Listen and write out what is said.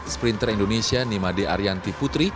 sprinter indonesia nimade arianti putri